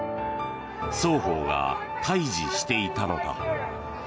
双方が対峙していたのだ。